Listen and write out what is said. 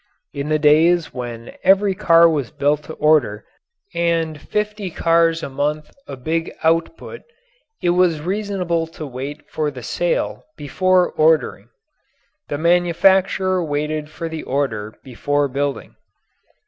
In the days when every car was built to order and 50 cars a month a big output, it was reasonable to wait for the sale before ordering. The manufacturer waited for the order before building.